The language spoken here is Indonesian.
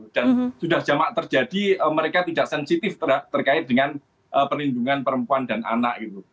dan sudah jamak terjadi mereka tidak sensitif terkait dengan perlindungan perempuan dan anak